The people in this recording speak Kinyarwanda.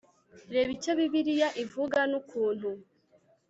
reba icyo bibiliya ivuga, n'ukuntu